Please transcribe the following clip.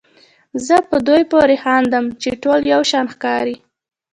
زه په دوی پورې خاندم چې ټول یو شان ښکاري.